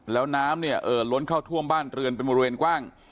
แล้วน้ำเนี่ยเอ่อล้นเข้าท่วมบ้านเรือนเป็นบริเวณกว้าง